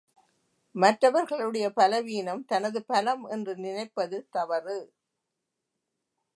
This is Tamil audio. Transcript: மற்றவர்களுடைய பலவீனம், தனது பலம் என்று நினைப்பது தவறு.